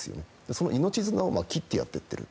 その命綱を切ってやっていってる